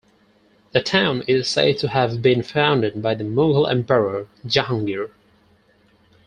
The town is said to have been founded by the Mughal emperor Jahangir.